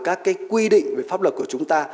các cái quy định về pháp luật của chúng ta